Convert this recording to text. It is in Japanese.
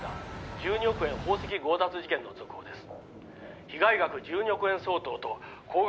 １２億円宝石強奪事件ですよ。